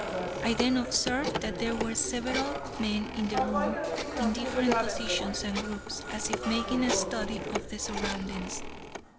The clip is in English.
I then observed that there were several men in the room, in different positions and groups, as if making a study of the surroundings.